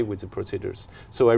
hai lý bạn muốn